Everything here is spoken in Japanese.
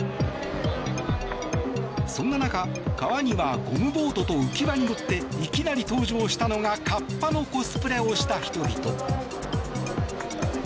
そんな中、川にはゴムボートと浮輪に乗っていきなり登場したのがカッパのコスプレをした人々。